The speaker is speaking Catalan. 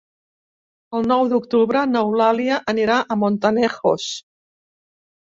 El nou d'octubre n'Eulàlia anirà a Montanejos.